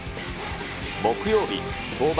木曜日、登板